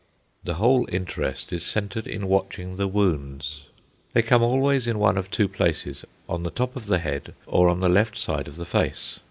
The whole interest is centred in watching the wounds. They come always in one of two places on the top of the head or the left side of the face.